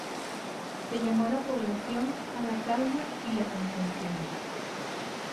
Se llamó a la población ""a la calma y la contención"".